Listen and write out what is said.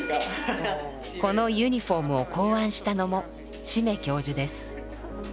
このユニフォームを考案したのも志馬教授です。